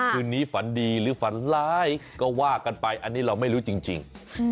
คืนนี้ฝันดีหรือฝันร้ายก็ว่ากันไปอันนี้เราไม่รู้จริง